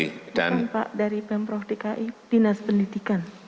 bukan pak dari pemprov dki dinas pendidikan